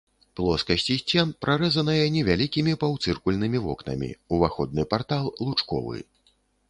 Плоскасці сцен прарэзаныя невялікімі паўцыркульнымі вокнамі, уваходны партал лучковы.